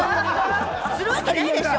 するわけないでしょ！